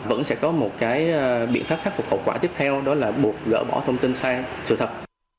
vẫn sẽ có một cái biện pháp khắc phục hậu quả tiếp theo đó là buộc gỡ bỏ thông tin sai sự thật